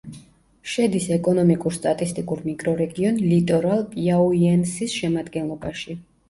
შედის ეკონომიკურ-სტატისტიკურ მიკრორეგიონ ლიტორალ-პიაუიენსის შემადგენლობაში.